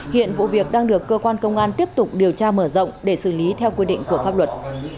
hiện vụ việc đang được cơ quan công an tiếp tục điều tra mở rộng để xử lý theo quy định của pháp luật